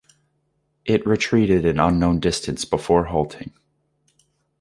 It retreated an unknown distance before halting.